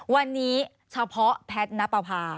วันนี้เฉพาะแพทย์ณปภา